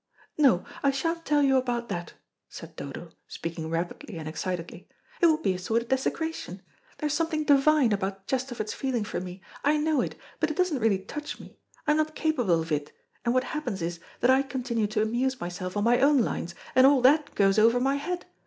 "No, I shan't tell you about that," said Dodo, speaking rapidly and excitedly; "it would be a sort of desecration. There is something divine about Chesterford's feeling for me. I know it, but it doesn't really touch me. I am not capable of it, and what happens is that I continue to amuse myself on my own lines, and all that goes over my head.